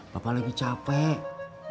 bapak lagi capek